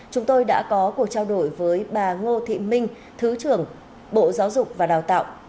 chúng tôi đã có cuộc trao đổi với bà ngô thị minh thứ trưởng bộ giáo dục và đào tạo